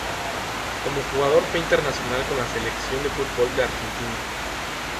Como jugador fue internacional con la Selección de fútbol de Argentina.